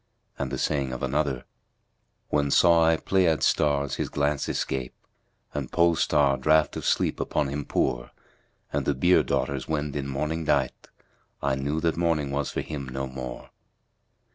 '" And the saying of another, "When saw I Pleiad stars his glance escape * And Pole star draught of sleep upon him pour; And the Bier daughters[FN#236] wend in mourning dight, * I knew that morning was for him no more!"